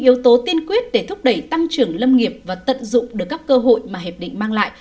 yếu tố tiên quyết để thúc đẩy tăng trưởng lâm nghiệp và tận dụng được các cơ hội mà hiệp định mang lại